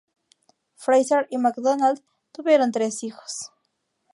Fraser y McDonald tuvieron tres hijos.